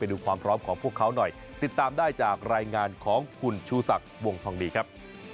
ดูความพร้อมของพวกเขาหน่อยติดตามได้จากรายงานของคุณชูศักดิ์วงทองดีครับ